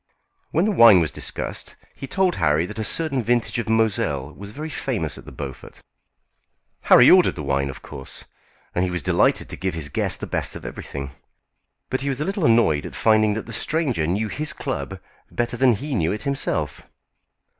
When the wine was discussed he told Harry that a certain vintage of Moselle was very famous at the Beaufort. Harry ordered the wine of course, and was delighted to give his guest the best of everything; but he was a little annoyed at finding that the stranger knew his club better than he knew it himself.